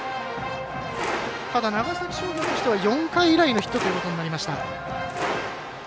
ただ、長崎商業としては４回以来のヒットとなりました。